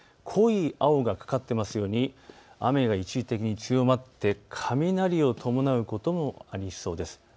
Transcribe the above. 濃い青がかかっていますように雨が一時的に強まって雷を伴うこともありそうです。